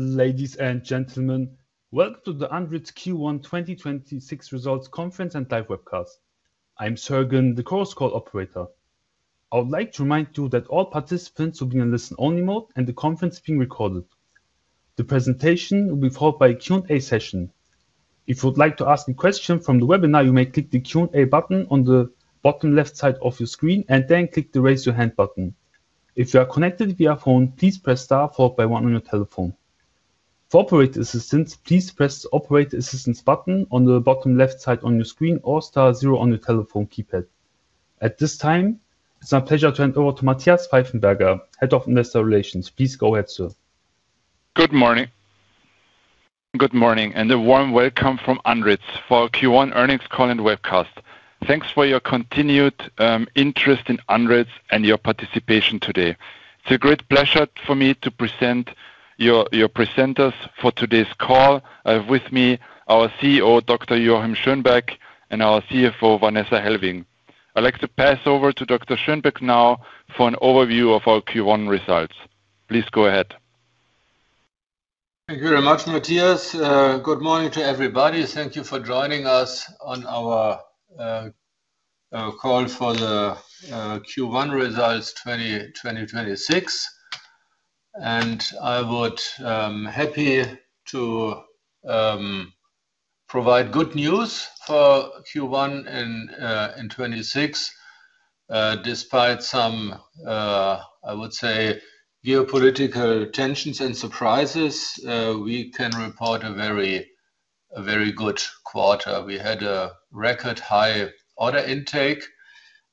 Ladies and gentlemen, welcome to the Andritz Q1 2026 Results Conference and live webcast. I'm Sergen, the conference call operator. I would like to remind you that all participants will be in listen-only mode, and the conference is being recorded. The presentation will be followed by a Q&A session. If you would like to ask a question from the webinar, you may click the Q&A button on the bottom left side of your screen and then click the Raise Your Hand button. If you are connected via phone, please press star followed by one on your telephone. For operator assistance, please press the operator assistance button on the bottom left side on your screen or star zero on your telephone keypad. At this time, it's my pleasure to hand over to Matthias Pfeifenberger, Head of Investor Relations. Please go ahead, sir. Good morning. Good morning, and a warm welcome from Andritz for our Q1 earnings call and webcast. Thanks for your continued interest in Andritz and your participation today. It's a great pleasure for me to present your presenters for today's call. I have with me our CEO, Dr. Joachim Schönbeck, and our CFO, Vanessa Hellwing. I'd like to pass over to Dr. Schönbeck now for an overview of our Q1 results. Please go ahead. Thank you very much, Matthias. Good morning to everybody. Thank you for joining us on our call for the Q1 results 2026. I would happy to provide good news for Q1 in 2026. Despite some, I would say geopolitical tensions and surprises, we can report a very good quarter. We had a record high order intake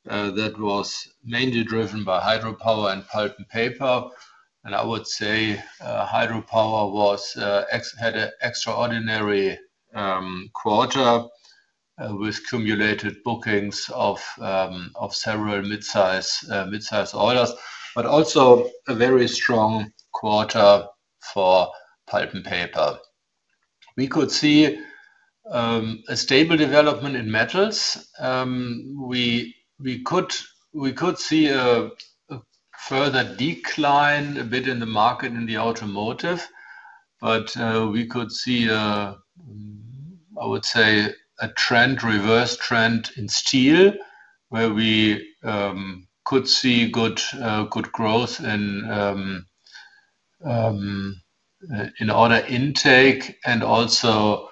that was mainly driven by Hydropower and Pulp & Paper. I would say, Hydropower had an extraordinary quarter with cumulated bookings of several midsize orders, but also a very strong quarter for Pulp & Paper. We could see a stable development in Metals. We could see a further decline a bit in the market in the automotive, but we could see a, I would say, a trend, reverse trend in steel where we could see good growth in order intake and also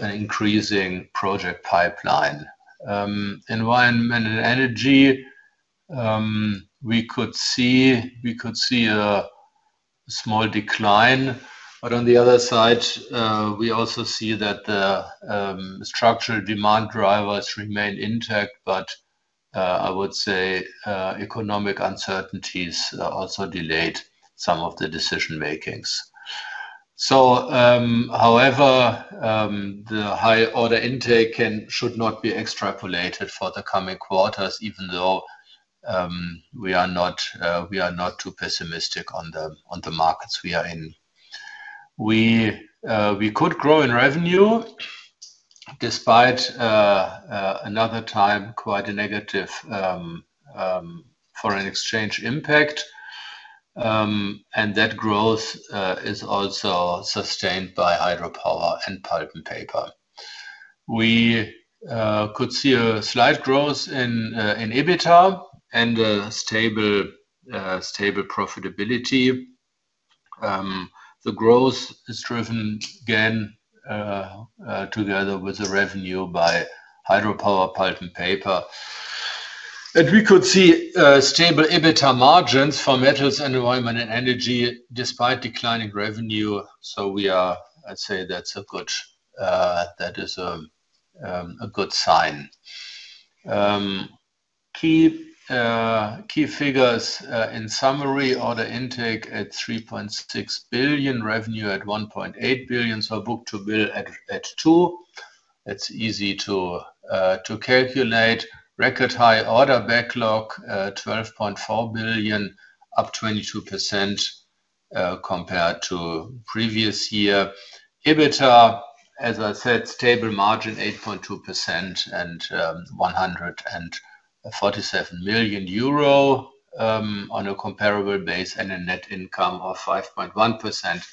an increasing project pipeline. Environment & Energy, we could see a small decline. On the other side, we also see that the structural demand drivers remain intact, but I would say economic uncertainties also delayed some of the decision-makings. However, the high order intake should not be extrapolated for the coming quarters, even though we are not too pessimistic on the markets we are in. We could grow in revenue despite another time quite a negative foreign exchange impact. That growth is also sustained by Hydropower and Pulp & Paper. We could see a slight growth in EBITDA and a stable profitability. The growth is driven again together with the revenue by Hydropower, Pulp & Paper. We could see stable EBITDA margins for Metals, Environment & Energy despite declining revenue. I'd say that's a good, that is a good sign. Key figures in summary, order intake at 3.6 billion, revenue at 1.8 billion, book-to-bill at 2. It's easy to calculate. Record high order backlog, 12.4 billion, up 22% compared to previous year. EBITDA, as I said, stable margin 8.2% and 147 million euro on a comparable base, and a net income of 5.1%,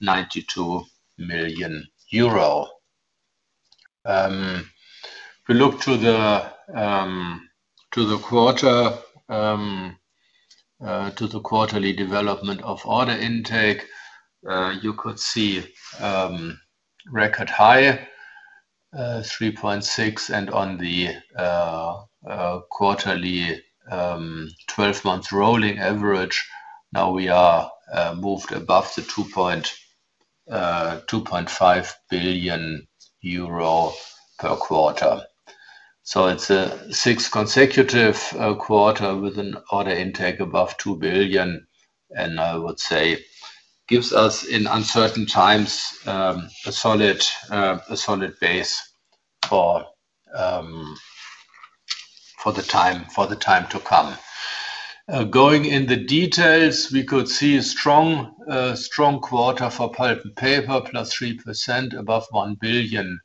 92 million euro. We look to the to the quarter to the quarterly development of order intake, you could see record high 3.6 billion and on the quarterly 12-month rolling average, now we are moved above the 2.5 billion euro per quarter. It's a sixth consecutive quarter with an order intake above 2 billion, and I would say gives us, in uncertain times, a solid base for the time, for the time to come. Going in the details, we could see a strong quarter for Pulp & Paper, +3% above 1 billion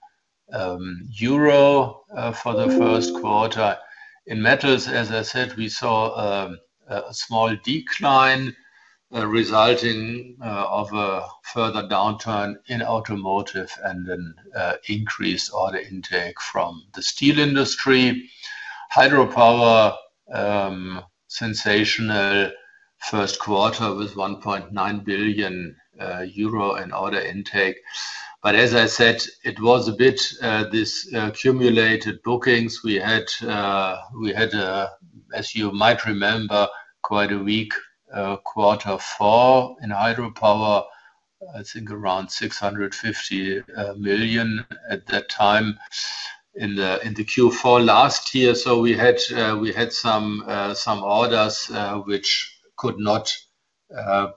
euro for the first quarter. In Metals, as I said, we saw a small decline, resulting of a further downturn in automotive and an increased order intake from the steel industry. Hydropower, sensational first quarter with 1.9 billion euro in order intake. As I said, it was a bit this cumulated bookings. We had, as you might remember, quite a weak quarter four in Hydropower. I think around 650 million at that time in the Q4 last year. We had some orders which could not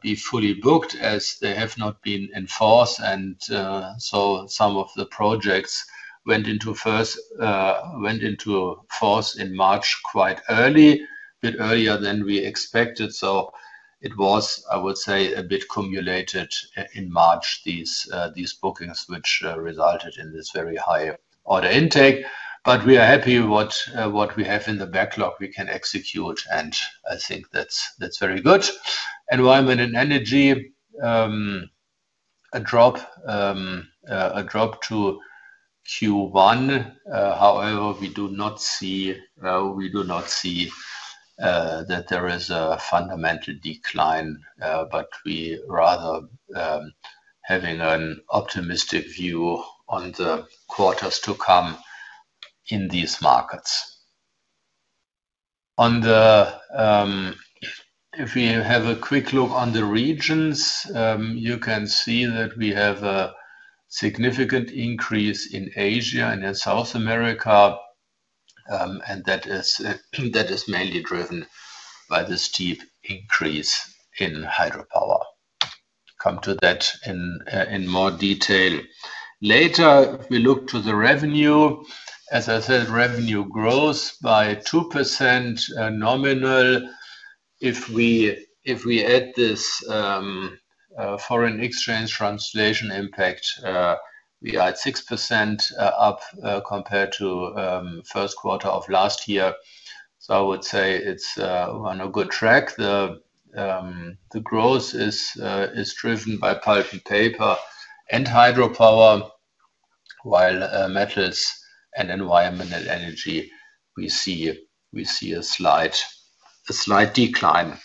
be fully booked as they have not been in force. Some of the projects went into force in March quite early, a bit earlier than we expected. It was, I would say, a bit cumulated in March, these bookings, which resulted in this very high order intake. We are happy what we have in the backlog we can execute, and I think that's very good. Environment & Energy, a drop to Q1. However, we do not see that there is a fundamental decline, but we rather having an optimistic view on the quarters to come in these markets. On the, if we have a quick look on the regions, you can see that we have a significant increase in Asia and in South America, and that is mainly driven by the steep increase in Hydropower. Come to that in more detail later. If we look to the revenue, as I said, revenue grows by 2% nominal. If we add this foreign exchange translation impact, we are at 6% up compared to first quarter of last year. I would say it's on a good track. The growth is driven by Pulp & Paper and Hydropower, while Metals and Environment & Energy, we see a slight decline.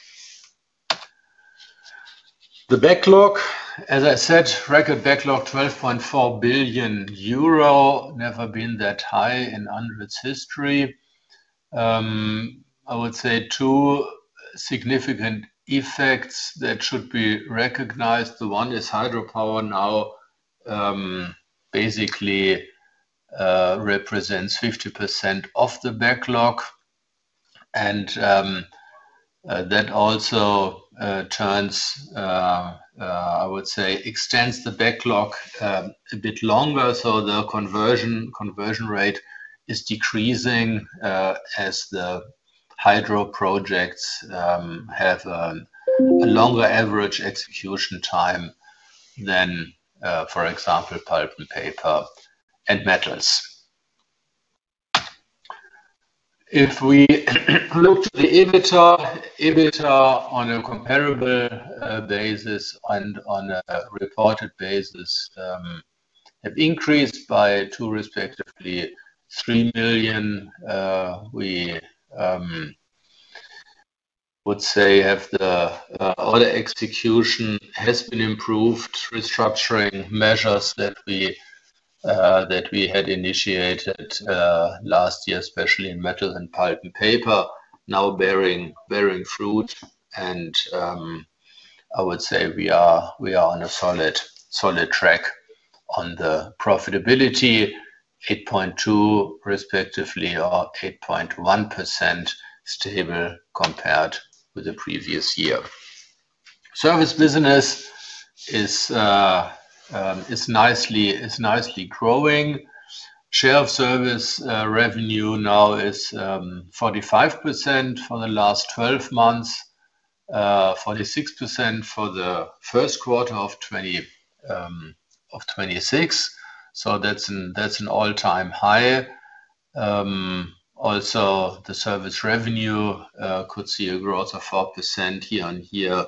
The backlog, as I said, record backlog 12.4 billion euro. Never been that high in Andritz history. I would say two significant effects that should be recognized. The one is Hydropower now, basically represents 50% of the backlog and that also turns I would say extends the backlog a bit longer. The conversion rate is decreasing as the hydro projects have a longer average execution time than for example Pulp & Paper and Metals. If we look to the EBITA on a comparable basis and on a reported basis have increased by 2 respectively 3 billion. We would say have the order execution has been improved. Restructuring measures that we that we had initiated last year, especially in Metals and Pulp & Paper, now bearing fruit. I would say we are on a solid track on the profitability, 8.2% respectively or 8.1% stable compared with the previous year. Service business is nicely growing. Share of service revenue now is 45% for the last 12 months, 46% for the first quarter of 2026. That's an all-time high. Also the service revenue could see a growth of 4% year-over-year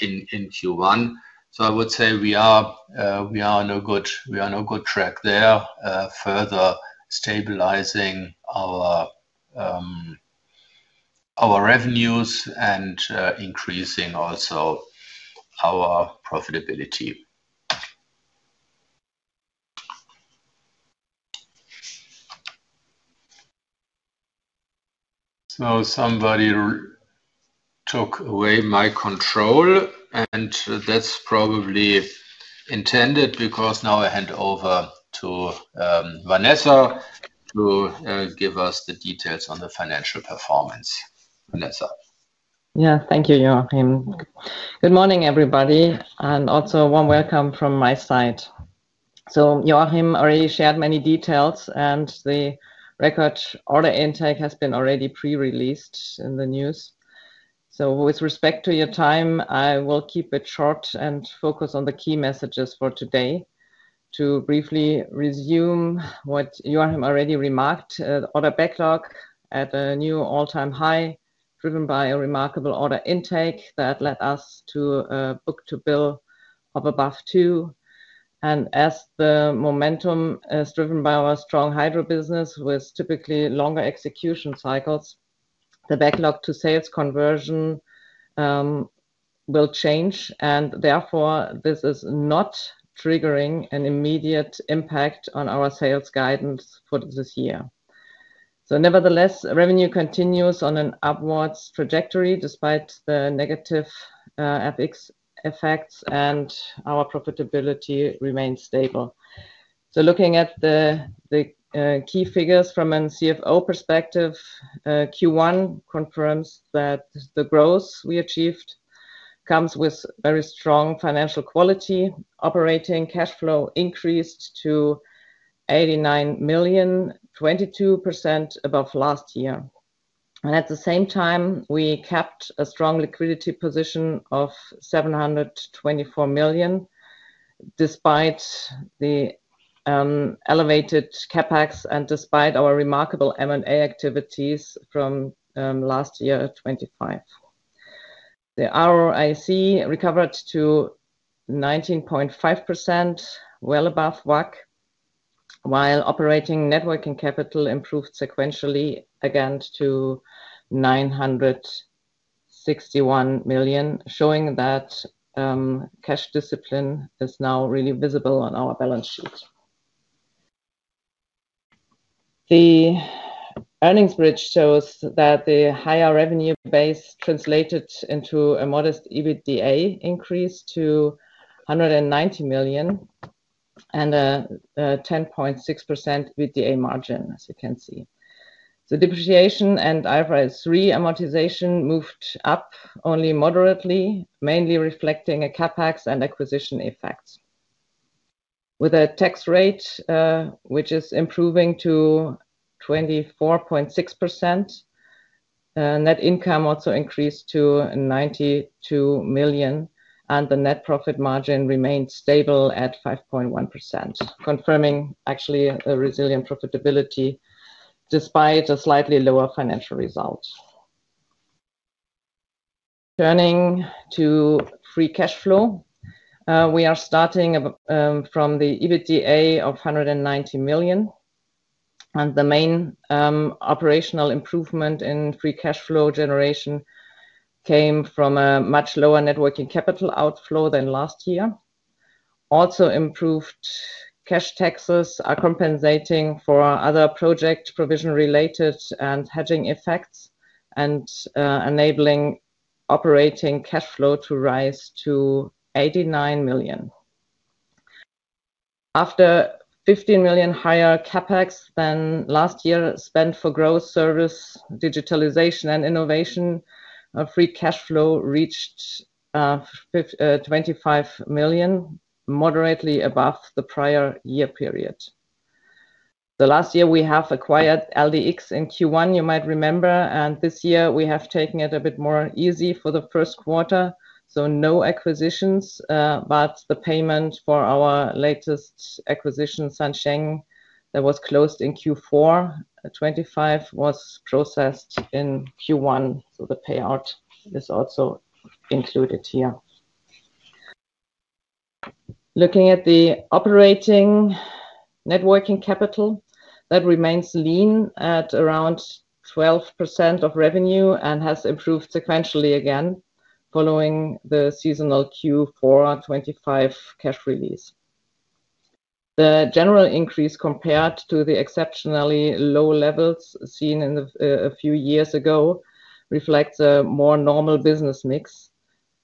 in Q1. I would say we are on a good track there, further stabilizing our revenues and increasing also our profitability. Somebody took away my control, and that's probably intended because now I hand over to Vanessa to give us the details on the financial performance. Vanessa. Yeah. Thank you, Joachim. Good morning, everybody, and also warm welcome from my side. With respect to your time, I will keep it short and focus on the key messages for today. To briefly resume what Joachim have already remarked, order backlog at a new all-time high driven by a remarkable order intake that led us to a book-to-bill of above 2. As the momentum is driven by our strong Hydropower business with typically longer execution cycles, the backlog to sales conversion will change, and therefore, this is not triggering an immediate impact on our sales guidance for this year. Nevertheless, revenue continues on an upwards trajectory despite the negative FX effects, and our profitability remains stable. Looking at the key figures from an CFO perspective, Q1 confirms that the growth we achieved comes with very strong financial quality. Operating cash flow increased to 89 million, 22% above last year. At the same time, we kept a strong liquidity position of 724 million, despite the elevated CapEx and despite our remarkable M&A activities from last year at 25. The ROIC recovered to 19.5%, well above WACC, while operating net working capital improved sequentially again to 961 million, showing that cash discipline is now really visible on our balance sheet. The earnings bridge shows that the higher revenue base translated into a modest EBITDA increase to 190 million and a 10.6% EBITDA margin, as you can see. The depreciation and IFRS 3 amortization moved up only moderately, mainly reflecting a CapEx and acquisition effects. With a tax rate, which is improving to 24.6%, net income also increased to 92 million, and the net profit margin remained stable at 5.1%, confirming actually a resilient profitability despite a slightly lower financial result. Turning to free cash flow, we are starting from the EBITDA of 190 million. The main operational improvement in free cash flow generation came from a much lower net working capital outflow than last year. Improved cash taxes are compensating for our other project provision related and hedging effects and enabling operating cash flow to rise to 89 million. After 15 million higher CapEx than last year spent for growth service, digitalization, and innovation, our free cash flow reached 25 million, moderately above the prior year period. Last year we acquired LDX in Q1, you might remember, and this year we have taken it a bit more easy for the first quarter, so no acquisitions, but the payment for our latest acquisition, Sanzheng, that was closed in Q4 2025 was processed in Q1, so the payout is also included here. Looking at the operating net working capital, that remains lean at around 12% of revenue and has improved sequentially again following the seasonal Q4 2025 cash release. The general increase compared to the exceptionally low levels seen a few years ago reflects a more normal business mix,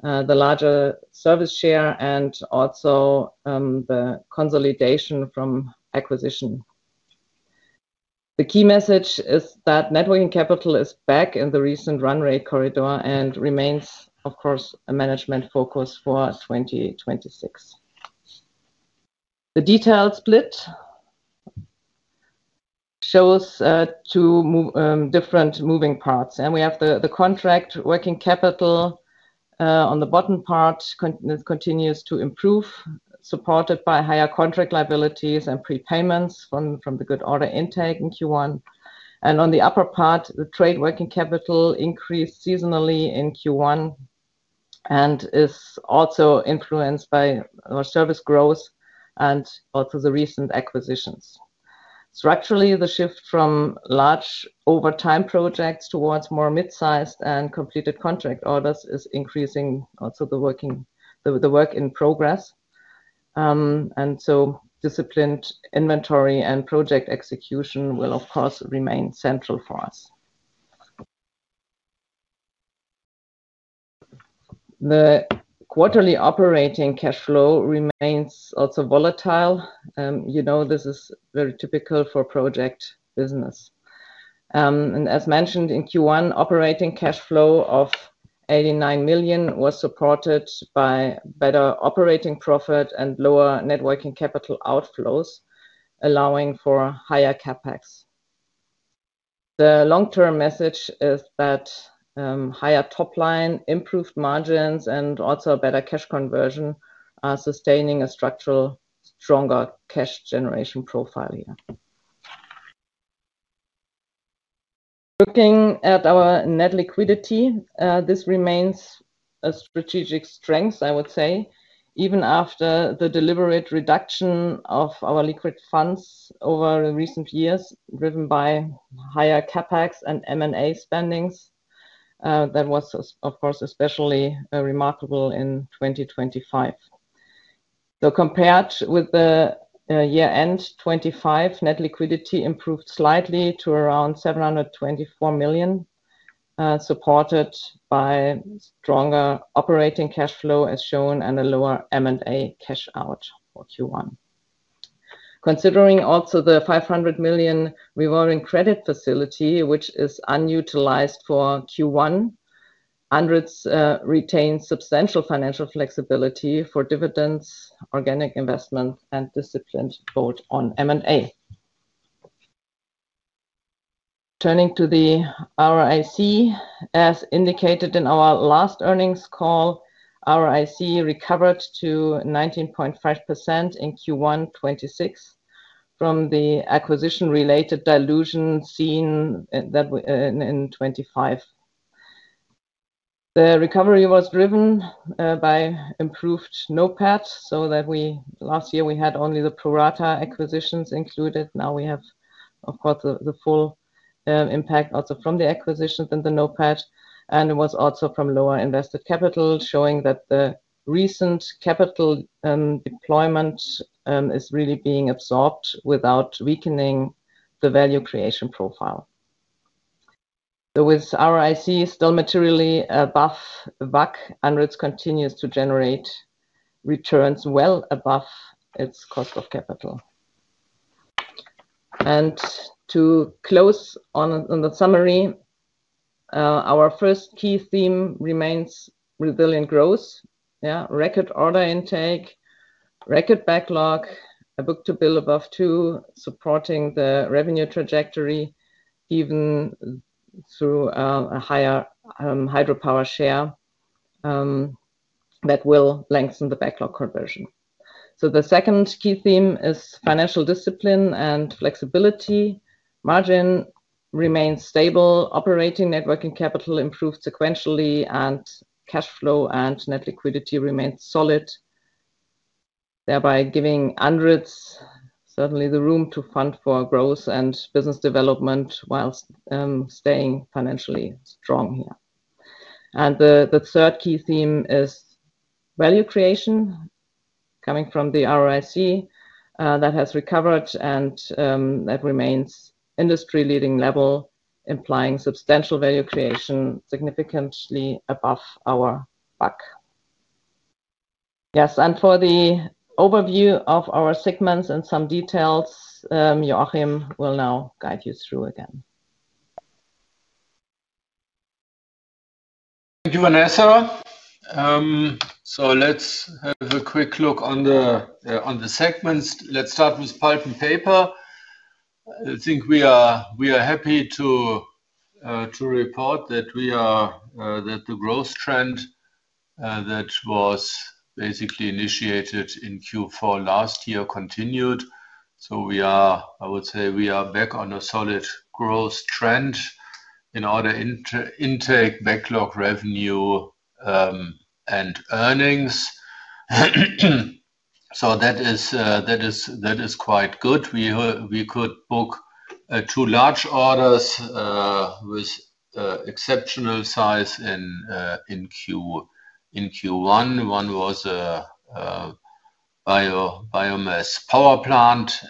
the larger service share and also the consolidation from acquisition. The key message is that net working capital is back in the recent run rate corridor and remains, of course, a management focus for 2026. The detailed split shows two different moving parts, we have the contract working capital on the bottom part continues to improve, supported by higher contract liabilities and prepayments from the good order intake in Q1. On the upper part, the trade working capital increased seasonally in Q1 and is also influenced by our service growth and also the recent acquisitions. Structurally, the shift from large overtime projects towards more mid-sized and completed contract orders is increasing also the work in progress. Disciplined inventory and project execution will, of course, remain central for us. The quarterly operating cash flow remains also volatile. You know this is very typical for project business. As mentioned in Q1, operating cash flow of 89 million was supported by better operating profit and lower net working capital outflows, allowing for higher CapEx. The long-term message is that higher top line, improved margins and also better cash conversion are sustaining a structural stronger cash generation profile here. Looking at our net liquidity, this remains a strategic strength, I would say, even after the deliberate reduction of our liquid funds over recent years driven by higher CapEx and M&A spendings. That was, of course, especially remarkable in 2025. Compared with the year-end 2025, net liquidity improved slightly to around 724 million, supported by stronger operating cash flow as shown and a lower M&A cash out for Q1. Considering also the 500 million revolving credit facility, which is unutilized for Q1, Andritz retains substantial financial flexibility for dividends, organic investment and disciplined both on M&A. Turning to the ROIC. As indicated in our last earnings call, ROIC recovered to 19.5% in Q1 2026 from the acquisition-related dilution seen in 2025. The recovery was driven by improved NOPAT, so that last year we had only the pro rata acquisitions included. Now we have, of course, the full impact also from the acquisitions in the NOPAT, and it was also from lower invested capital, showing that the recent capital deployment is really being absorbed without weakening the value creation profile. With ROIC still materially above WACC, Andritz continues to generate returns well above its cost of capital. To close on the summary, our first key theme remains resilient growth. Record order intake, record backlog, a book-to-bill above 2, supporting the revenue trajectory even through a higher Hydropower share that will lengthen the backlog conversion. The second key theme is financial discipline and flexibility. Margin remains stable, operating net working capital improved sequentially, and cash flow and net liquidity remained solid, thereby giving Andritz certainly the room to fund for growth and business development whilst staying financially strong here. The third key theme is value creation coming from the ROIC that has recovered and that remains industry-leading level, implying substantial value creation significantly above our WACC. For the overview of our segments and some details, Joachim will now guide you through again. Thank you, Vanessa. Let's have a quick look on the segments. Let's start with Pulp & Paper. I think we are happy to report that the growth trend that was basically initiated in Q4 last year continued. I would say we are back on a solid growth trend in order intake backlog revenue and earnings. That is quite good. We could book two large orders with exceptional size in Q1. One was a biomass power plant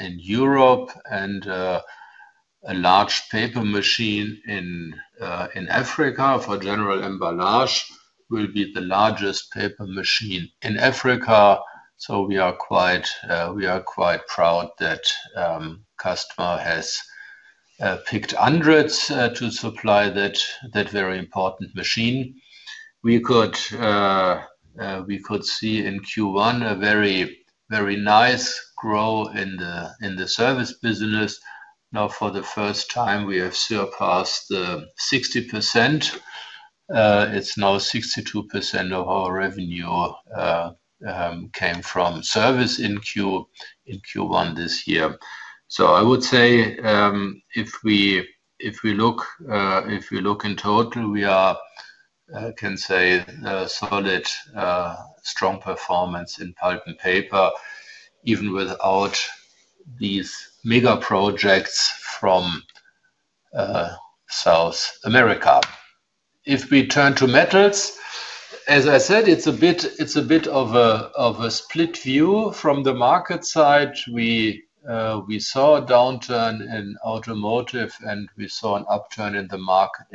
in Europe and a large paper machine in Africa for Général Emballage. Will be the largest paper machine in Africa, so we are quite proud that customer has picked Andritz to supply that very important machine. We could see in Q1 a very, very nice growth in the service business. Now, for the first time, we have surpassed the 60%. It's now 62% of our revenue came from service in Q1 this year. I would say, if we look in total, we can say a solid, strong performance in Pulp & Paper, even without these mega projects from South America. If we turn to Metals, as I said, it's a bit of a split view from the market side. We saw a downturn in automotive, and we saw an upturn in the market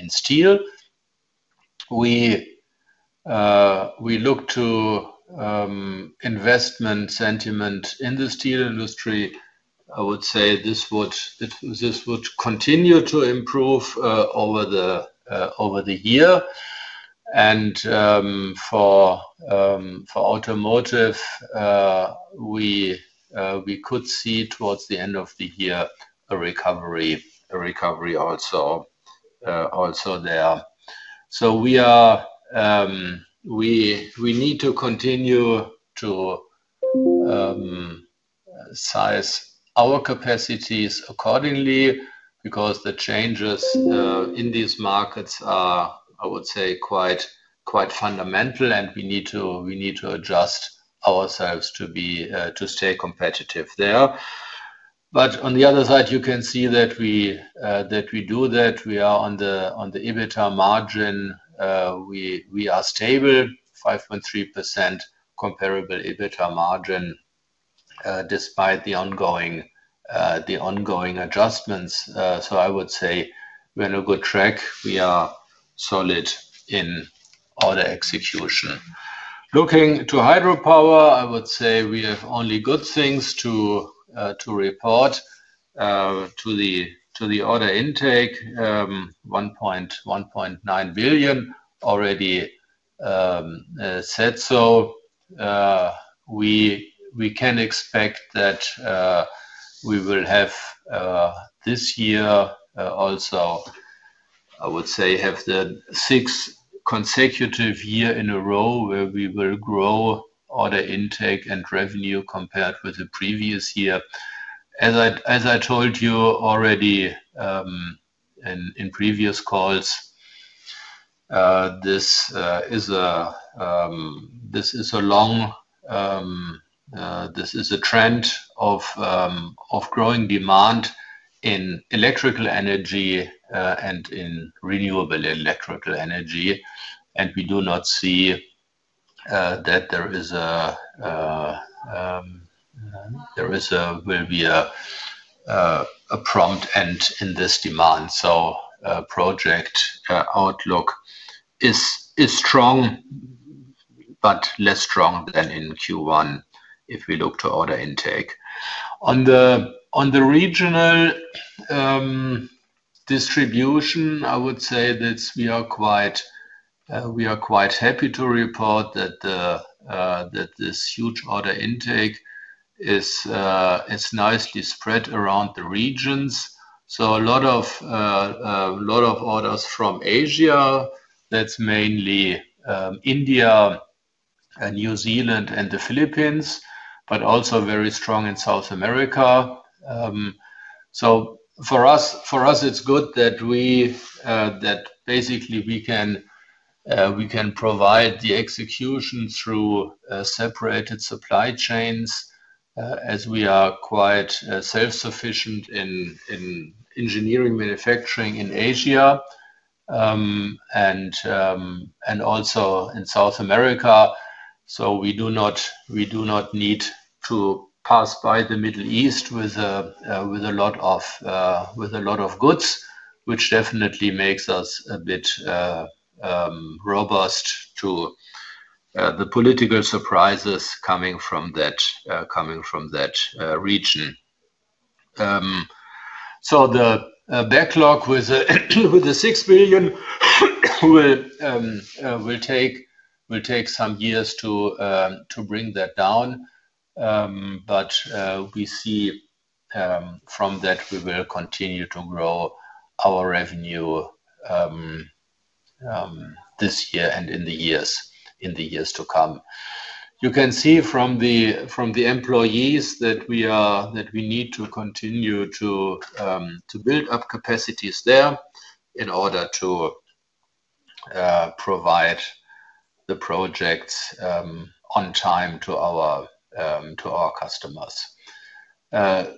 in steel. We look to investment sentiment in the steel industry. I would say this would continue to improve over the year. For automotive, we could see towards the end of the year a recovery also there. We need to continue to size our capacities accordingly because the changes in these markets are, I would say, quite fundamental, and we need to adjust ourselves to be to stay competitive there. On the other side, you can see that we do that. We are on the EBITDA margin. We are stable, 5.3% comparable EBITDA margin, despite the ongoing adjustments. I would say we're on a good track. We are solid in order execution. Looking to Hydropower, I would say we have only good things to report. To the order intake, 1.9 billion already set. We can expect that we will have this year also, I would say, have the sixth consecutive year in a row where we will grow order intake and revenue compared with the previous year. As I told you already, in previous calls, this is a long trend of growing demand in electrical energy and in renewable electrical energy. We do not see that there will be a prompt end in this demand. Project outlook is strong, but less strong than in Q1 if we look to order intake. On the regional distribution, I would say that we are quite happy to report that this huge order intake is nicely spread around the regions. A lot of orders from Asia. That's mainly India and New Zealand and the Philippines, but also very strong in South America. For us, it's good that we that basically we can we can provide the execution through separated supply chains, as we are quite self-sufficient in engineering manufacturing in Asia, and also in South America. We do not need to pass by the Middle East with a lot of with a lot of goods, which definitely makes us a bit robust to the political surprises coming from that coming from that region. The backlog with the EUR 6 billion will take some years to bring that down. We see from that we will continue to grow our revenue this year and in the years to come. You can see from the employees that we need to continue to build up capacities there in order to provide the projects on time to our to our customers.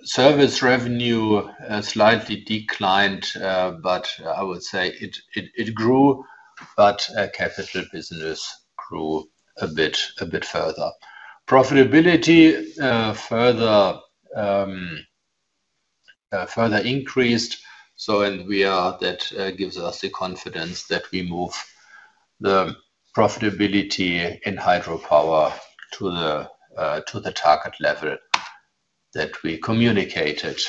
Service revenue slightly declined, but I would say it grew, but capital business grew a bit further. Profitability further increased, and that gives us the confidence that we move the profitability in Hydropower to the target level that we communicated.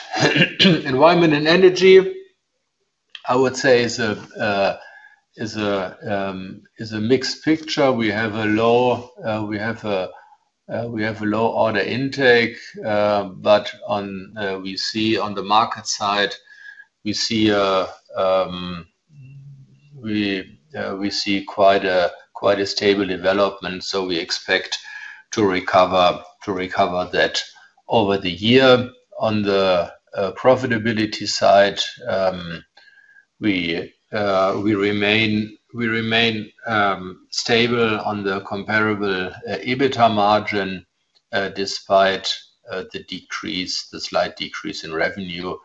Environment & Energy, I would say is a is a mixed picture. We have a low order intake, but on the market side, we see quite a stable development, so we expect to recover that over the year. On the profitability side, we remain stable on the comparable EBITDA margin, despite the decrease, the slight decrease in revenue.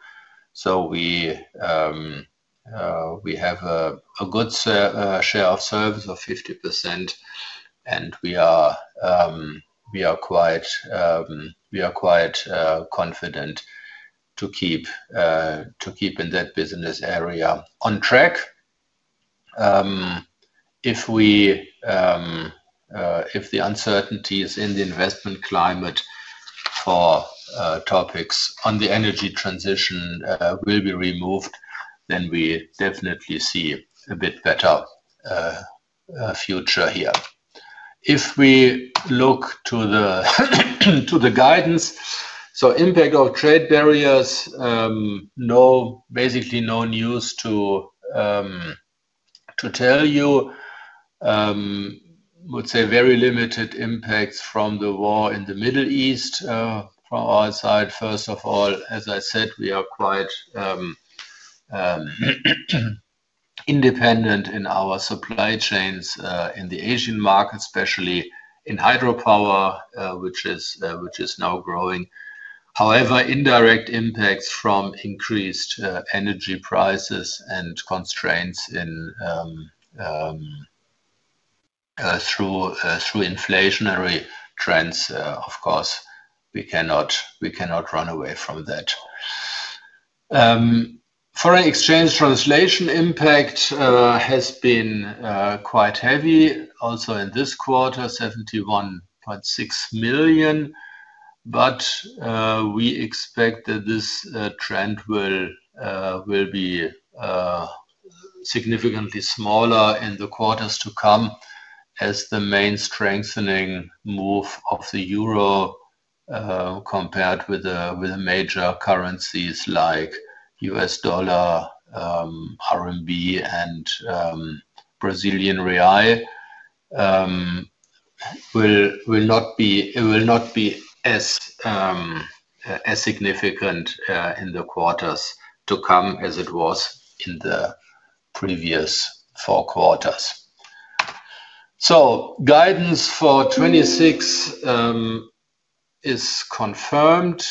We have a good share of service of 50%, and we are quite confident to keep in that business area on track. If the uncertainties in the investment climate for topics on the energy transition will be removed, then we definitely see a bit better future here. If we look to the guidance. Impact of trade barriers, basically, no news to tell you. I would say very limited impacts from the war in the Middle East from our side. First of all, as I said, we are quite independent in our supply chains in the Asian market, especially in Hydropower, which is now growing. However, indirect impacts from increased energy prices and constraints in through inflationary trends, of course we cannot run away from that. Foreign exchange translation impact has been quite heavy also in this quarter, 71.6 million. We expect that this trend will be significantly smaller in the quarters to come as the main strengthening move of the euro compared with major currencies like US dollar, RMB and Brazilian real, it will not be as significant in the quarters to come as it was in the previous four quarters. Guidance for 2026 is confirmed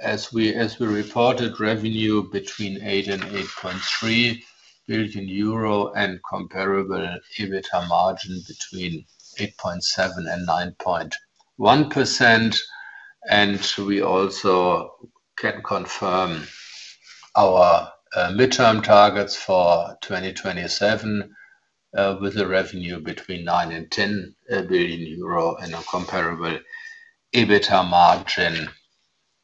as we reported revenue between 8 billion and 8.3 billion euro and comparable EBITDA margin between 8.7% and 9.1%. We also can confirm our midterm targets for 2027, with a revenue between 9 billion and 10 billion euro and a comparable EBITDA margin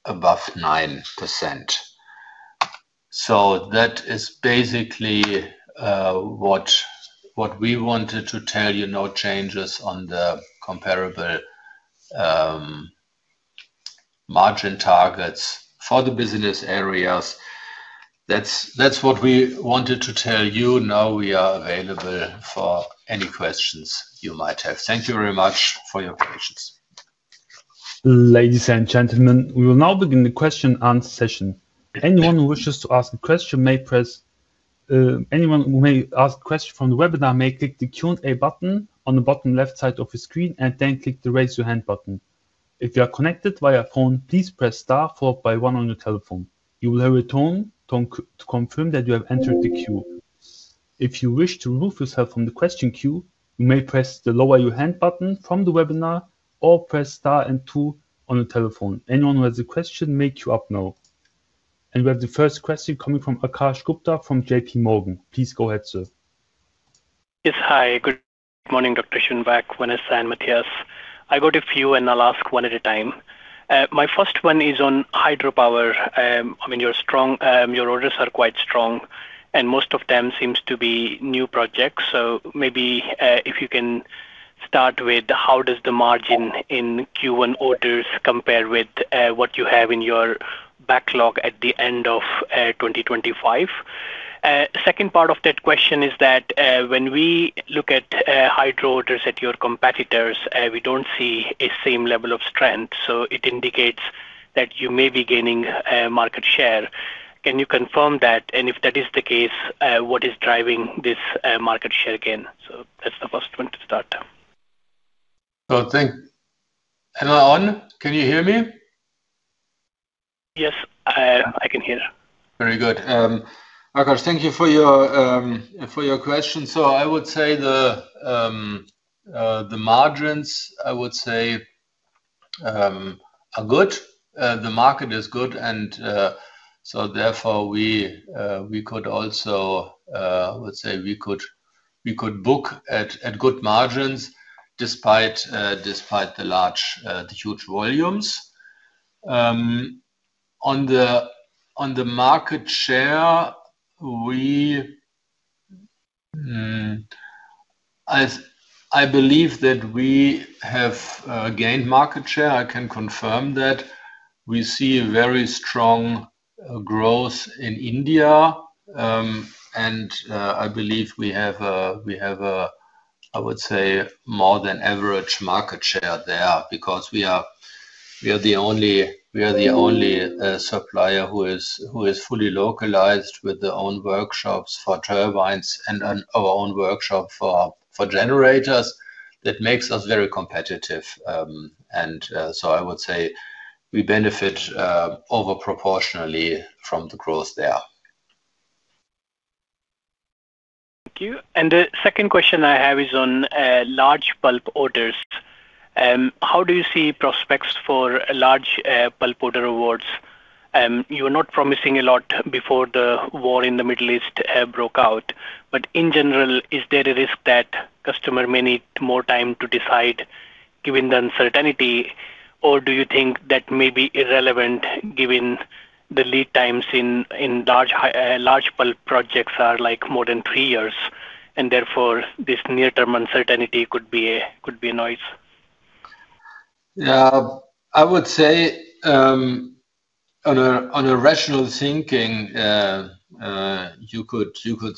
above 9%. That is basically what we wanted to tell you. No changes on the comparable margin targets for the business areas. That's what we wanted to tell you. We are available for any questions you might have. Thank you very much for your patience. Ladies and gentlemen, we will now begin the question and answer session. Anyone who wishes to ask a question from the webinar may click the Q&A button on the bottom left side of your screen and then click the Raise Your Hand button. If you are connected via phone, please press star followed by one on your telephone. You will hear a tone to confirm that you have entered the queue. If you wish to remove yourself from the question queue, you may press the Lower Your Hand button from the webinar or press star and two on your telephone. Anyone who has a question may queue up now. We have the first question coming from Akash Gupta from JPMorgan. Please go ahead, sir. Yes. Hi. Good morning, Dr. Schönbeck, Vanessa and Matthias. I got a few, and I'll ask one at a time. My first one is on Hydropower. I mean, you're strong. Your orders are quite strong, and most of them seems to be new projects. Maybe, if you can start with how does the margin in Q1 orders compare with what you have in your backlog at the end of 2025? Second part of that question is that, when we look at Hydropower orders at your competitors, we don't see a same level of strength, so it indicates that you may be gaining market share. Can you confirm that? If that is the case, what is driving this market share gain? That's the first one to start. Am I on? Can you hear me? Yes, I can hear. Very good. Akash, thank you for your question. I would say the margins, I would say, are good. The market is good and, therefore we could also, I would say we could book at good margins despite the large, the huge volumes. On the market share, we, I believe that we have gained market share. I can confirm that. We see a very strong growth in India. And, I believe we have a, I would say, more than average market share there because we are the only supplier who is fully localized with their own workshops for turbines and our own workshop for generators. That makes us very competitive. And I would say we benefit over proportionally from the growth there. Thank you. The second question I have is on large pulp orders. How do you see prospects for large pulp order awards? You were not promising a lot before the war in the Middle East broke out. In general, is there a risk that customer may need more time to decide given the uncertainty, or do you think that may be irrelevant given the lead times in large pulp projects are, like, more than three years, and therefore this near-term uncertainty could be a noise? I would say on a rational thinking, you could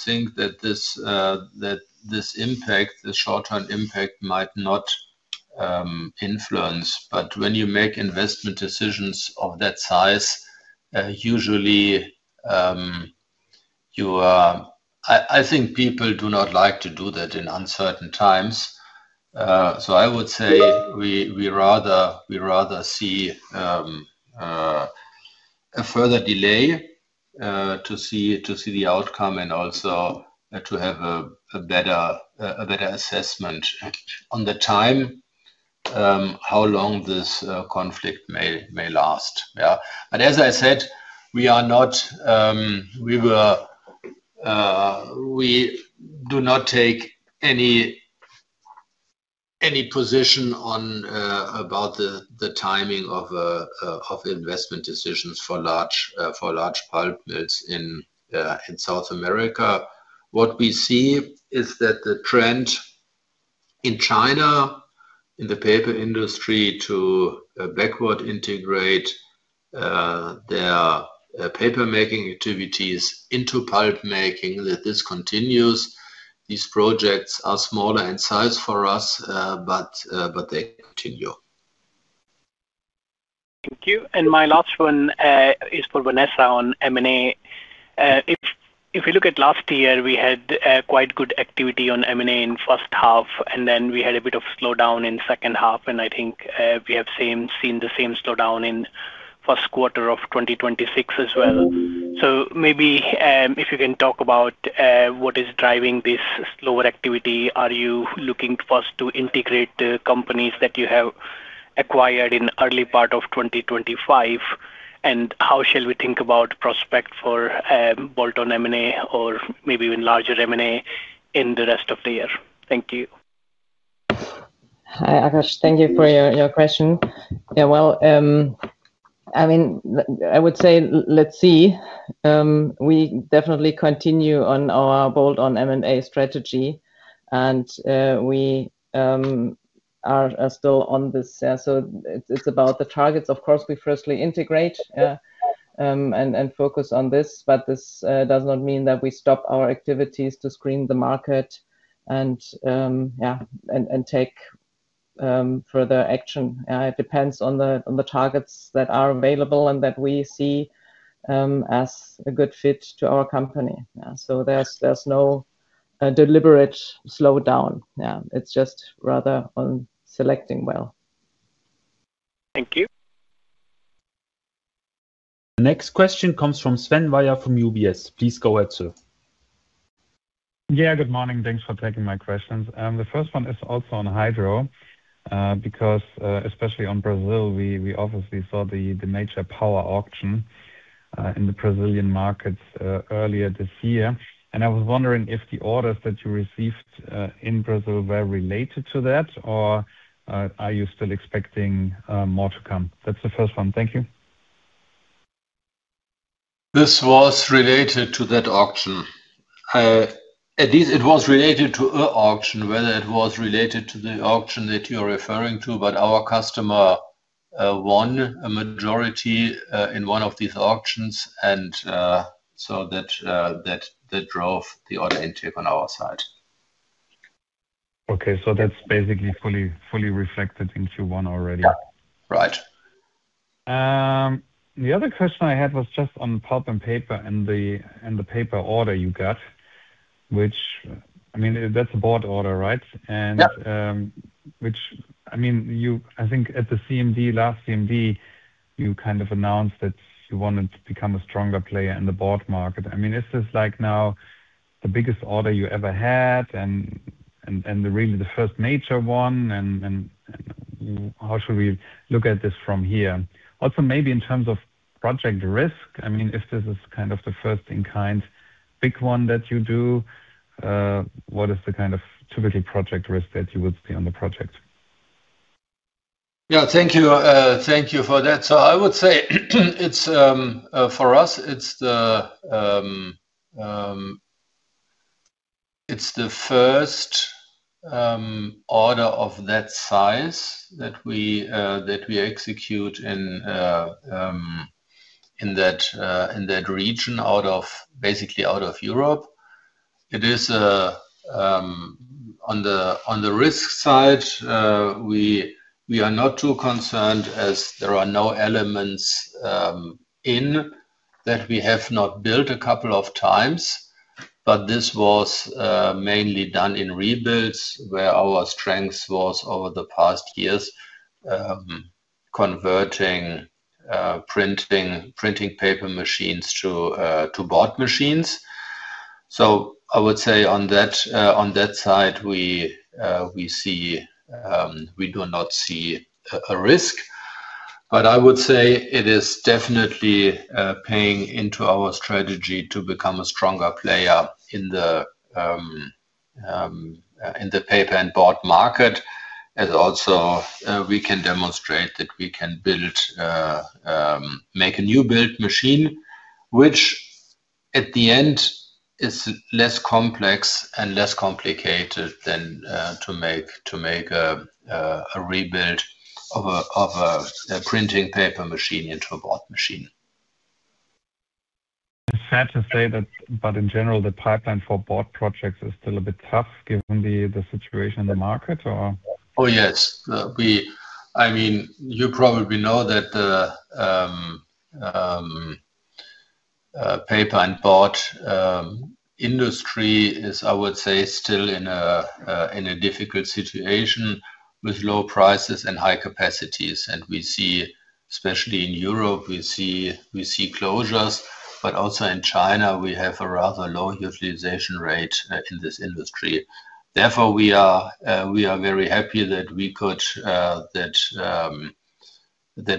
think that this impact, the short-term impact might not influence. When you make investment decisions of that size, usually, I think people do not like to do that in uncertain times. I would say we rather see a further delay to see the outcome and also to have a better assessment on the time how long this conflict may last. As I said, we do not take any position on about the timing of investment decisions for large pulp mills in South America. What we see is that the trend in China, in the paper industry to backward integrate their paper-making activities into pulp making, that this continues. These projects are smaller in size for us, but they continue. Thank you. My last one is for Vanessa on M&A. If you look at last year, we had quite good activity on M&A in first half. We had a bit of slowdown in second half. I think we have seen the same slowdown in first quarter of 2026 as well. Maybe, if you can talk about what is driving this slower activity. Are you looking first to integrate the companies that you have acquired in early part of 2025? How shall we think about prospect for bolt-on M&A or maybe even larger M&A in the rest of the year? Thank you. Hi, Akash. Thank you for your question. Well, I would say let's see. We definitely continue on our bolt-on M&A strategy, and we are still on this. It's about the targets. Of course, we firstly integrate and focus on this. This does not mean that we stop our activities to screen the market and, yeah, and take further action. It depends on the targets that are available and that we see as a good fit to our company. There's no deliberate slowdown. It's just rather on selecting well. Thank you. Next question comes from Sven Weier from UBS. Please go ahead, sir. Good morning. Thanks for taking my questions. The first one is also on hydro, because especially on Brazil, we obviously saw the hydro power auction in the Brazilian markets earlier this year. I was wondering if the orders that you received in Brazil were related to that, or are you still expecting more to come? That's the first one. Thank you. This was related to that auction. At least it was related to an auction, whether it was related to the auction that you're referring to. Our customer won a majority in one of these auctions and that drove the order intake on our side. Okay. That's basically fully reflected into one already? Yeah. Right. The other question I had was just on Pulp & Paper and the paper order you got, which. I mean, that's a board order, right? Yeah Which, I mean, I think at the CMD, last CMD, you kind of announced that you wanted to become a stronger player in the board market. I mean, is this, like, now the biggest order you ever had and really the first major one, and how should we look at this from here? Also, maybe in terms of project risk, I mean, if this is kind of the first in kind big one that you do, what is the kind of typically project risk that you would see on the project? Yeah. Thank you. Thank you for that. I would say it's for us, it's the first order of that size that we execute in that region out of, basically out of Europe. It is on the risk side, we are not too concerned as there are no elements in that we have not built a couple of times. This was mainly done in rebuilds, where our strength was over the past years, converting printing paper machines to board machines. I would say on that, on that side, we see, we do not see a risk. I would say it is definitely paying into our strategy to become a stronger player in the paper and board market. Also, we can demonstrate that we can build, make a new built machine, which at the end is less complex and less complicated than to make a rebuild of a printing paper machine into a board machine. It's sad to say that, but in general, the pipeline for board projects is still a bit tough given the situation in the market, or? Oh, yes. I mean, you probably know that the paper and board industry is, I would say, still in a difficult situation with low prices and high capacities. We see, especially in Europe, we see closures, but also in China we have a rather low utilization rate in this industry. We are very happy that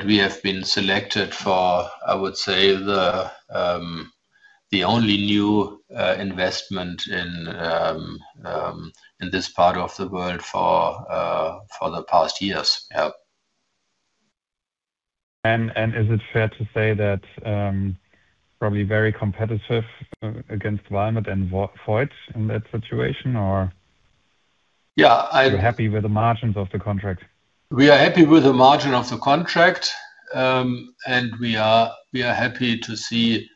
we have been selected for, I would say, the only new investment in this part of the world for the past years. Yeah. Is it fair to say that probably very competitive against Valmet and Voith in that situation? Yeah. You're happy with the margins of the contract? We are happy with the margin of the contract. We are happy to see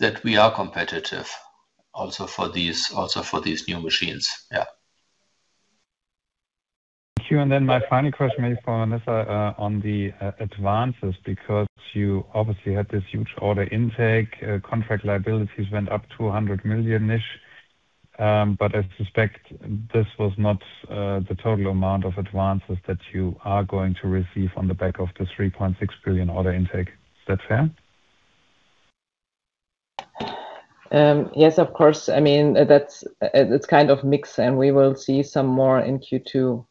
that we are competitive also for these new machines. Yeah. Thank you. My final question maybe for Vanessa, on the advances because you obviously had this huge order intake, contract liabilities went up to 100 million-ish. I suspect this was not the total amount of advances that you are going to receive on the back of the 3.6 billion order intake. Is that fair? Yes, of course. I mean, that's kind of mixed and we will see some more in Q2.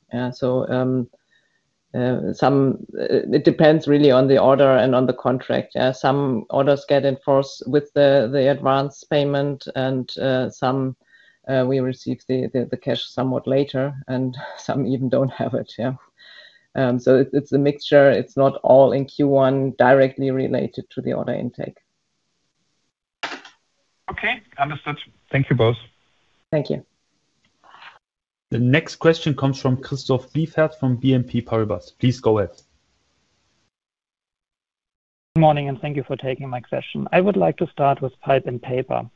It depends really on the order and on the contract. Some orders get enforced with the advanced payment and some we receive the cash somewhat later and some even don't have it. Yeah. It's a mixture. It's not all in Q1 directly related to the order intake. Okay. Understood. Thank you both. Thank you. The next question comes from Christoph Biefeld from BNP Paribas. Please go ahead. Morning. Thank you for taking my question. I would like to start with Pulp & Paper.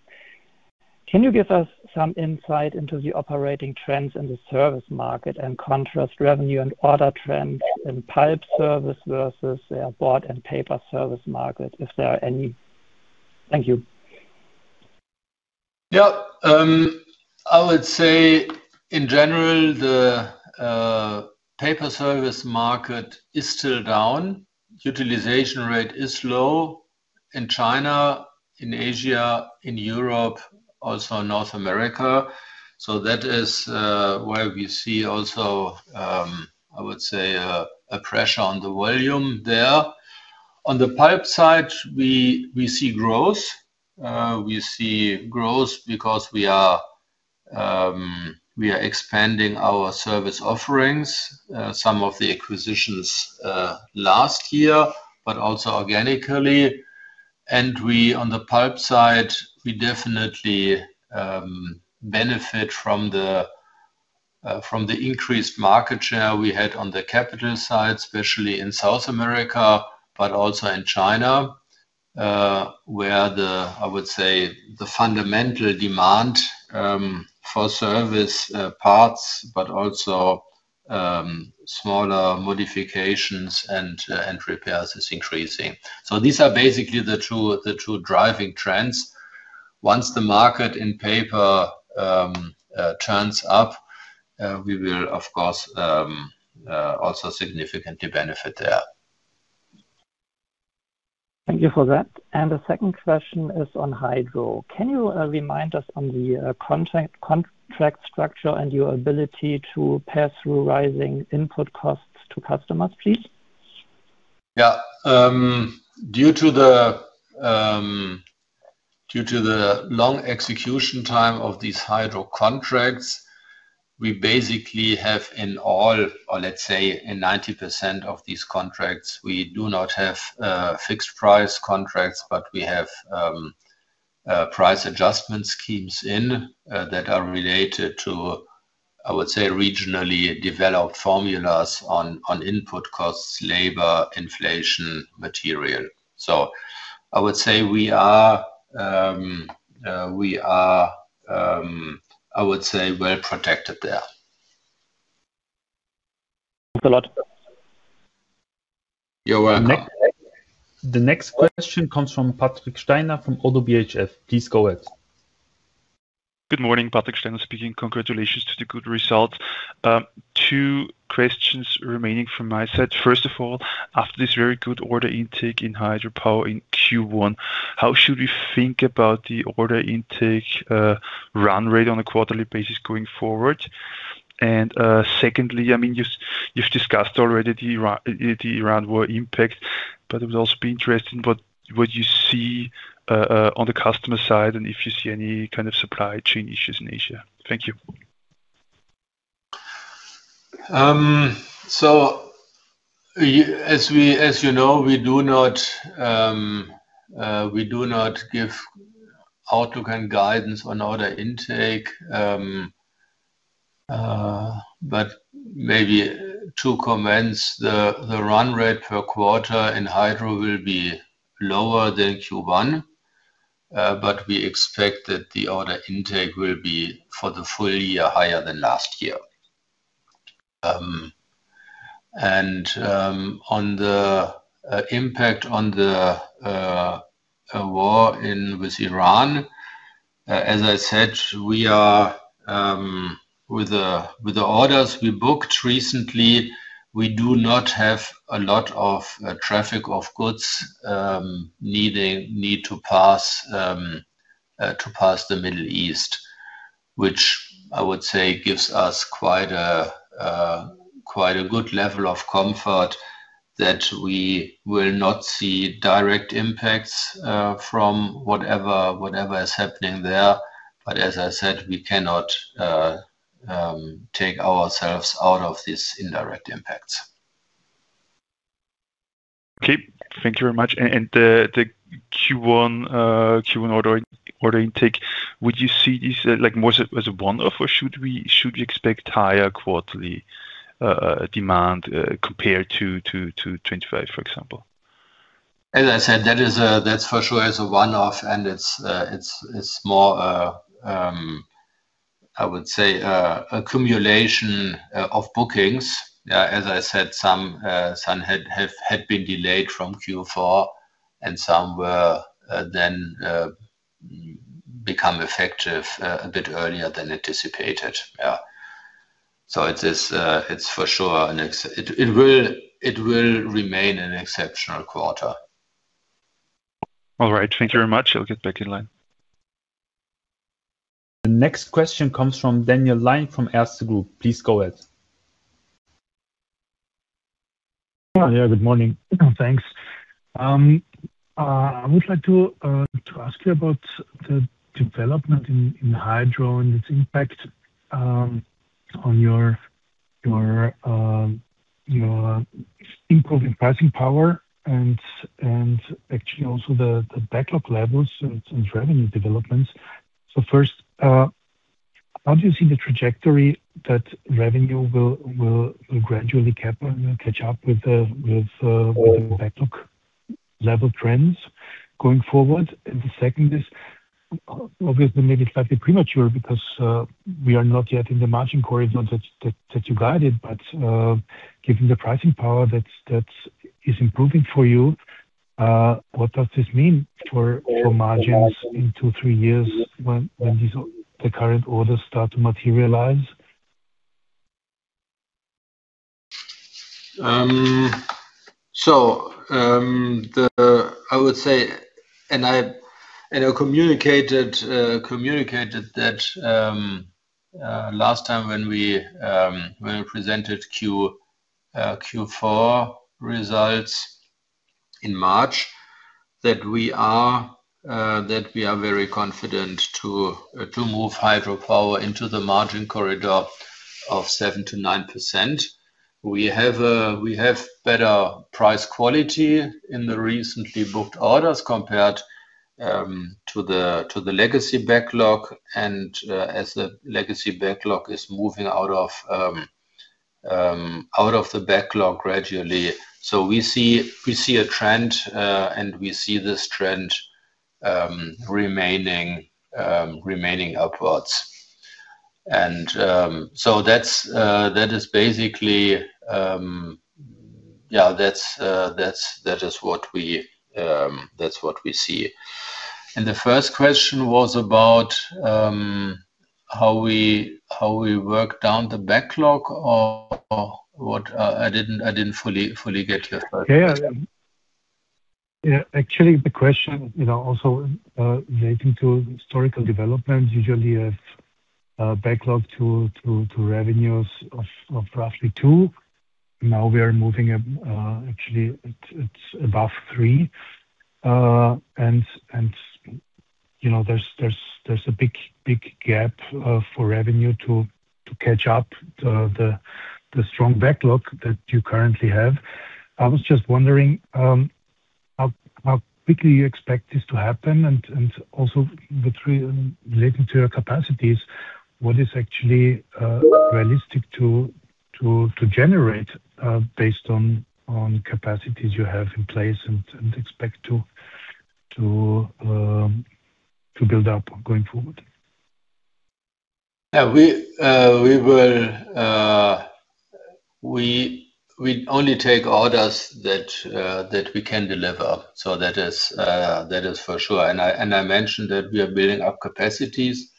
Can you give us some insight into the operating trends in the service market and contrast revenue and order trends in pulp service versus the board and paper service market if there are any? Thank you. I would say in general, the paper service market is still down. Utilization rate is low in China, in Asia, in Europe, also North America. That is why we see also I would say a pressure on the volume there. On the pulp side, we see growth. We see growth because we are expanding our service offerings. Some of the acquisitions last year, but also organically. On the pulp side, we definitely benefit from the increased market share we had on the capital side, especially in South America, but also in China, where the I would say the fundamental demand for service parts, but also smaller modifications and repairs is increasing. These are basically the two driving trends. Once the market in paper turns up, we will of course also significantly benefit there. Thank you for that. The second question is on Hydropower. Can you remind us on the contract structure and your ability to pass through rising input costs to customers, please? Yeah. Due to the long execution time of these hydro contracts, we basically have in all or let's say in 90% of these contracts, we do not have fixed price contracts, but we have price adjustment schemes in that are related to, I would say, regionally developed formulas on input costs, labor, inflation, material. I would say we are I would say well-protected there. Thanks a lot. You're welcome. The next question comes from Patrick Steiner from ODDO BHF. Please go ahead. Good morning. Patrick Steiner speaking. Congratulations to the good result. Two questions remaining from my side. First of all, after this very good order intake in Hydropower in Q1, how should we think about the order intake run rate on a quarterly basis going forward? Secondly, I mean, you've discussed already the Iran war impact, it would also be interesting what you see on the customer side and if you see any kind of supply chain issues in Asia. Thank you. As you know, we do not give outlook and guidance on order intake. Maybe two comments. The run rate per quarter in Hydro will be lower than Q1, but we expect that the order intake will be for the full year higher than last year. On the impact on the war with Iran, as I said, we are with the orders we booked recently, we do not have a lot of traffic of goods need to pass to pass the Middle East, which I would say gives us quite a quite a good level of comfort that we will not see direct impacts from whatever is happening there. As I said, we cannot take ourselves out of these indirect impacts. Okay. Thank you very much. The Q1 order intake, would you see this like more as a one-off or should we expect higher quarterly demand compared to 2025, for example? As I said, that for sure is a one-off and it's more a, I would say a accumulation of bookings. As I said, some had been delayed from Q4 and some were, then, become effective, a bit earlier than anticipated. Yeah. It's for sure an exceptional quarter. All right. Thank you very much. I'll get back in line. The next question comes from Daniel Lion from Erste Group. Please go ahead. Good morning. Thanks. I would like to ask you about the development in Hydro and its impact on your improving pricing power and actually also the backlog levels and revenue developments. First, how do you see the trajectory that revenue will gradually catch up with the backlog level trends going forward? The second is obviously maybe slightly premature because we are not yet in the margin corridor that you guided. Given the pricing power that's improving for you, what does this mean for margins in two, three years when the current orders start to materialize? I would say, and I communicated that last time when we presented Q4 results in March, that we are very confident to move hydropower into the margin corridor of 7%-9%. We have better price quality in the recently booked orders compared to the legacy backlog and as the legacy backlog is moving out of the backlog gradually. We see a trend and we see this trend remaining upwards. That's basically what we see. The first question was about how we work down the backlog or what? I didn't fully get your first question. Yeah. Yeah. Actually, the question, you know, also relating to historical developments, usually you have a backlog to revenues of roughly two. Now we are moving, actually it's above three. You know, there's a big gap for revenue to catch up the strong backlog that you currently have. I was just wondering how quickly you expect this to happen? Also relating to your capacities, what is actually realistic to generate based on capacities you have in place and expect to build up going forward? Yeah. We will only take orders that we can deliver. That is for sure. I mentioned that we are building up capacities.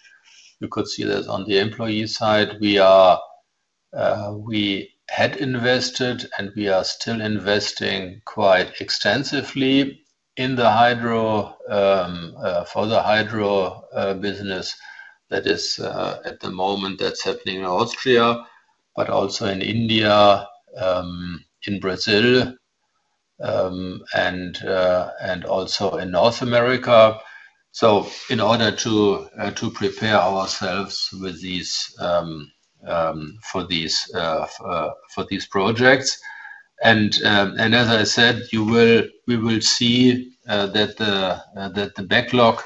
You could see that on the employee side. We had invested, and we are still investing quite extensively. In the hydro for the hydro business that is at the moment that's happening in Austria, but also in India, in Brazil, and also in North America. In order to prepare ourselves with these for these projects. As I said, we will see that the backlog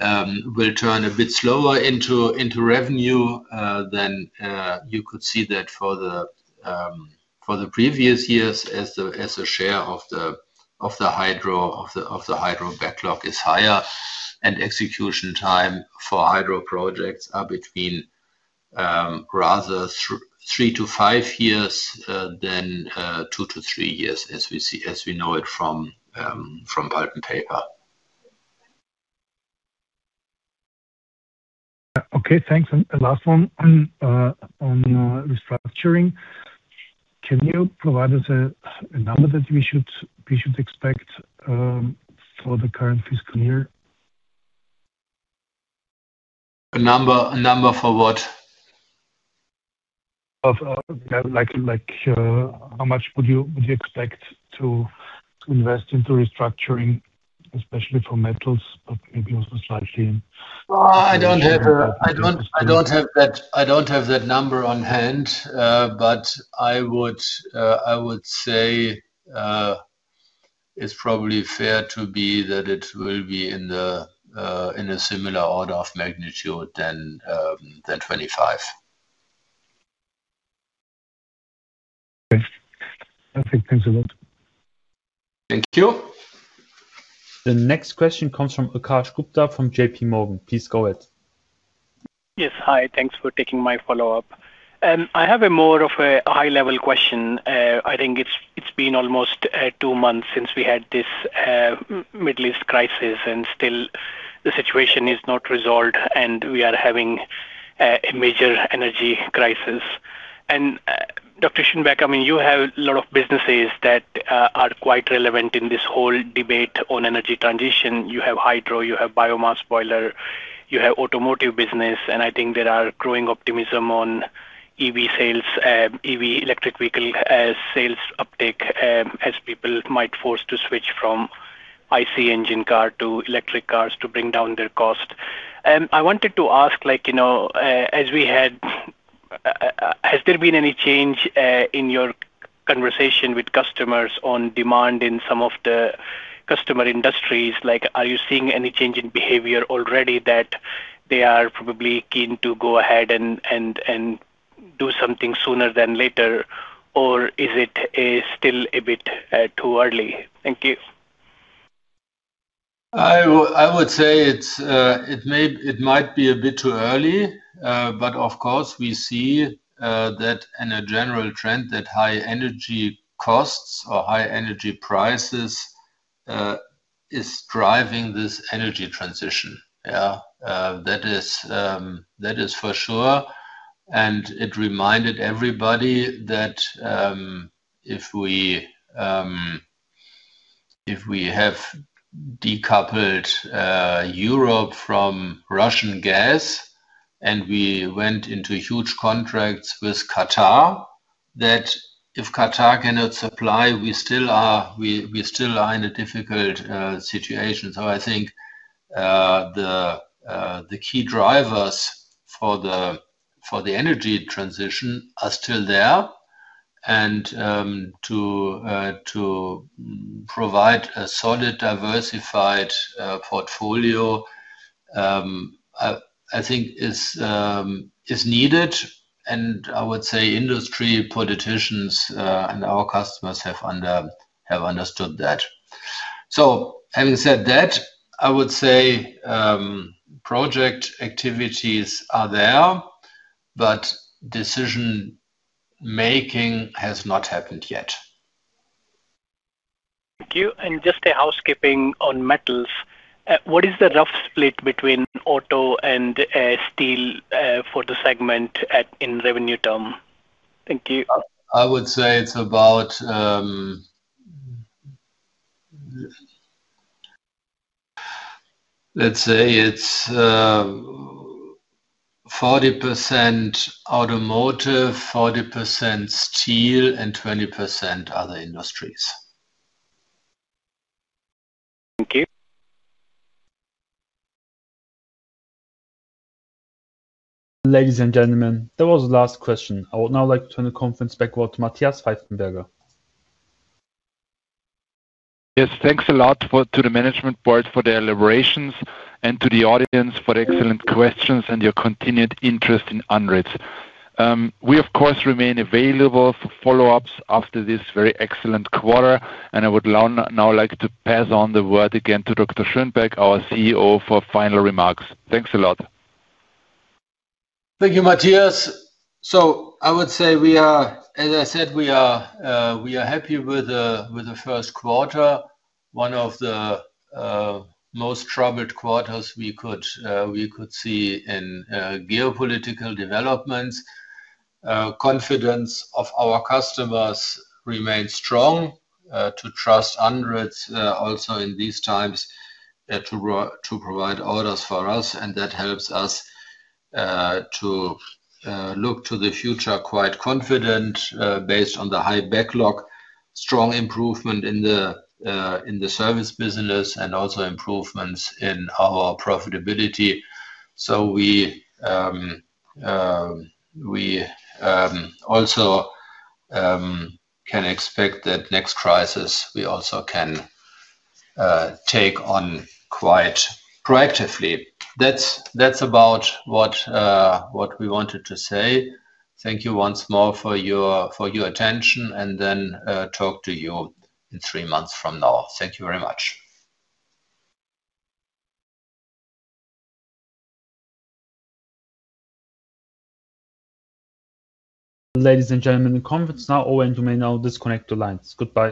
will turn a bit slower into revenue than you could see that for the previous years as a share of the hydro backlog is higher. Execution time for hydro projects are between rather three to five years than two to three years as we see, as we know it from Pulp & Paper. Okay, thanks. A last one on restructuring. Can you provide us a number that we should expect for the current fiscal year? A number, a number for what? Of, yeah, like, how much would you expect to invest into restructuring, especially for Metals, but maybe also slightly in? I don't have that number on hand. I would say, it's probably fair to be that it will be in a similar order of magnitude than 25. Okay. Perfect. Thanks a lot. Thank you. The next question comes from Akash Gupta from JPMorgan. Please go ahead. Yes. Hi. Thanks for taking my follow-up. I have a more of a high-level question. I think it's been almost two months since we had this Middle East crisis, and still the situation is not resolved and we are having a major energy crisis. Dr. Schönbeck, I mean, you have a lot of businesses that are quite relevant in this whole debate on energy transition. You have hydro, you have biomass boiler, you have automotive business. I think there are growing optimism on EV sales, EV, electric vehicle sales uptake, as people might force to switch from IC engine car to electric cars to bring down their cost. I wanted to ask, like, you know, as we had, has there been any change in your conversation with customers on demand in some of the customer industries? Like, are you seeing any change in behavior already that they are probably keen to go ahead and do something sooner than later? Or is it still a bit too early? Thank you. I would say it's, it might be a bit too early. Of course we see that in a general trend that high energy costs or high energy prices is driving this energy transition. Yeah. That is for sure. It reminded everybody that if we have decoupled Europe from Russian gas and we went into huge contracts with Qatar, that if Qatar cannot supply, we still are in a difficult situation. I think the key drivers for the energy transition are still there. To provide a solid diversified portfolio I think is needed. I would say industry politicians and our customers have understood that. Having said that, I would say, project activities are there, but decision-making has not happened yet. Thank you. Just a housekeeping on Metals. What is the rough split between auto and steel for the segment at, in revenue term? Thank you. I would say it's about. Let's say it's 40% automotive, 40% steel, and 20% other industries. Thank you. Ladies and gentlemen, that was the last question. I would now like to turn the conference back over to Matthias Pfeifenberger. Yes. Thanks a lot to the management board for their elaborations and to the audience for the excellent questions and your continued interest in Andritz. We of course remain available for follow-ups after this very excellent quarter, and I would now like to pass on the word again to Dr. Schönbeck, our CEO, for final remarks. Thanks a lot. Thank you, Matthias. I would say we are, as I said, we are happy with the first quarter, one of the most troubled quarters we could see in geopolitical developments. Confidence of our customers remains strong to trust Andritz also in these times to provide orders for us, and that helps us to look to the future quite confident based on the high backlog. Strong improvement in the service business and also improvements in our profitability. We also can expect that next crisis, we also can take on quite proactively. That's about what we wanted to say. Thank you once more for your attention, and then talk to you in three months from now. Thank you very much. Ladies and gentlemen, the conference now over and you may now disconnect your lines. Goodbye.